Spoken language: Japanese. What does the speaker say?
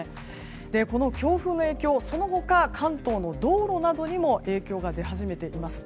この強風の影響はその他、関東の道路などにも影響が出始めています。